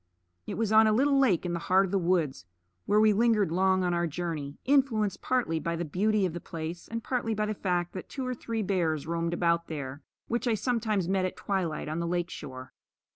It was on a little lake in the heart of the woods, where we lingered long on our journey, influenced partly by the beauty of the place, and partly by the fact that two or three bears roamed about there, which I sometimes met at twilight on the lake shore.